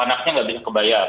anaknya tidak bisa dibayar